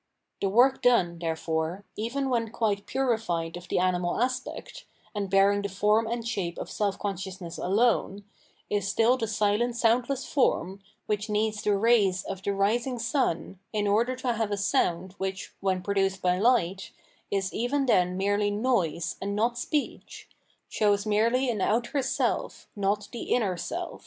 The work done, therefore, even when quite purified of the animal aspect, and bearing the form and shape of self consciousness alone, is s till the silent soundless form, which needs the rays of the rising sun in order to have a sound which, when produced by light, is even then merely noise and not speech, shows merely an outer self, not the inner self.